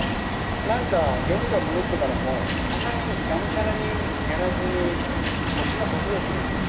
何か芸能界戻ってからもそんなにがむしゃらにやらずに年も年だし。